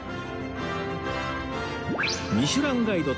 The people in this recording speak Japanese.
ミシュランガイド